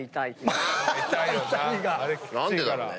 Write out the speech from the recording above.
何でだろうね？